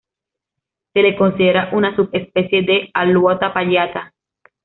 Se le considera una subespecie de "Alouatta palliata".